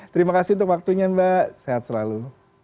terima kasih untuk waktunya mbak sehat selalu